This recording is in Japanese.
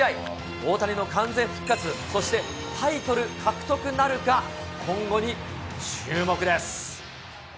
大谷の完全復活、そしてタイトル獲得なるか、今後に注目です。